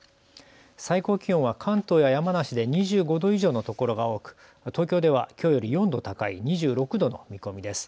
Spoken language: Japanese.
最高気温は関東や山梨で２５度以上の所が多く、東京ではきょうより４度高い２６度の見込みです。